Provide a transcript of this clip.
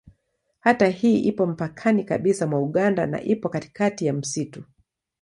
Kata hii ipo mpakani kabisa mwa Uganda na ipo katikati ya msitu.